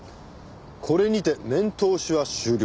これにて面通しは終了。